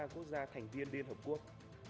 một trăm chín mươi ba quốc gia thành viên liên hợp quốc